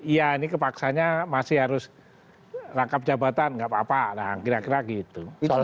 ya ini kepaksanya masih harus rangkap jabatan enggak apa apa nah kira kira gitu